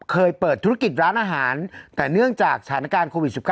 เคยเปิดธุรกิจร้านอาหารแต่เนื่องจากสถานการณ์โควิด๑๙